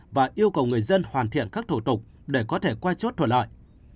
và yêu cầu người dân hoàn thiện các thủ tục để có thể quay chốt thuận lợi